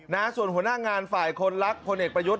นะฮะส่วนหัวหน้างานฝ่ายคนรักพลเอกประยุทธ์